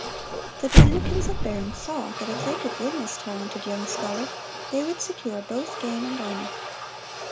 The Dominicans of Bern saw that if they could win this talented young scholar, they would secure both gain and honor.